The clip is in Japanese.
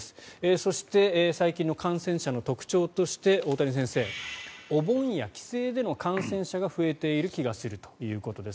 そして最近の感染者の特徴として大谷先生、お盆や帰省での感染者が増えている気がするということです。